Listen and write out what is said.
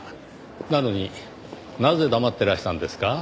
なのになぜ黙ってらしたんですか？